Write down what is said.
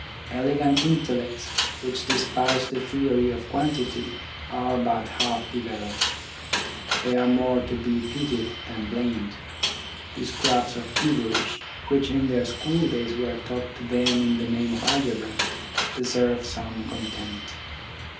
Elegant intellects which despise the theory of quantity, are but half developed. They are more to be pitied than blamed. The scraps of gibberish, which in their school days were taught to them in the name of algebra, deserve some contempt.